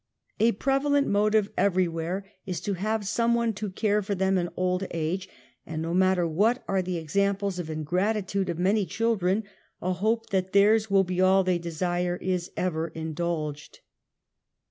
A prevalent motive everywhere, is to have some one to care for them in old age, and no matter what are the examples of ingratitude of many children, a hope that theirs will be all they desire is ever in dulged.